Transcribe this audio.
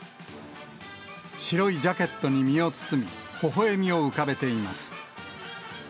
白いジャケットに身を包み、ほほえみを浮かべています。